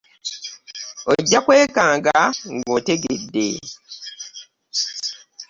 Ojja kwekanga nga otegedde.